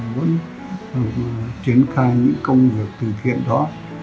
muốn triển khai những công việc từ thiện đó